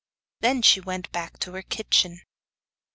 Then she went back to her kitchen.